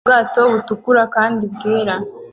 Ubwato butukura kandi bwera